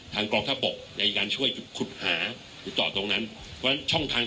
ทางกรองท่าปกในการช่วยคุดหาอยู่ต่อตรงนั้นเพราะฉะนั้นช่องทาง